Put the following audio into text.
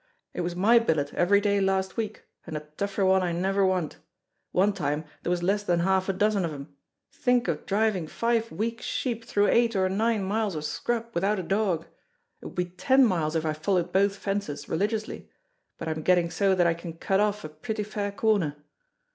It was my billet every day last week, and a tougher one I never want. One time there was less than half a dozen of 'em: think of driving five weak sheep through eight or nine miles of scrub without a dog! It would be ten miles if I followed both fences religiously; but I'm getting so that I can cut off a pretty fair corner.